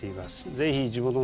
ぜひ。